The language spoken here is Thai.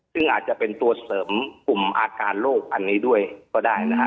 ซึ่งอาจจะเป็นตัวเสริมกลุ่มอาการโรคอันนี้ด้วยก็ได้นะฮะ